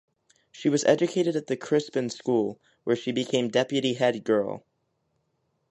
She was educated at the Crispin School, where she became deputy head girl.